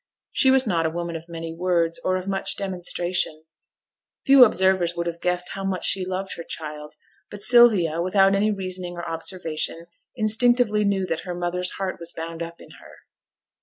She was not a woman of many words, or of much demonstration; few observers would have guessed how much she loved her child; but Sylvia, without any reasoning or observation, instinctively knew that her mother's heart was bound up in her.